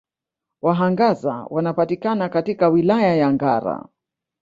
Wahangaza wanapatikana katika Wilaya ya Ngara